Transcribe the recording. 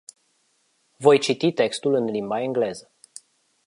Voi citi textul în limba engleză.